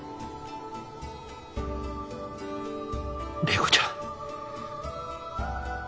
麗子ちゃん。